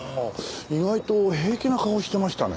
意外と平気な顔をしてましたね。